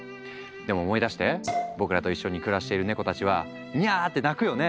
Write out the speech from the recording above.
でも思い出して僕らと一緒に暮らしているネコたちは「にゃ」って鳴くよね？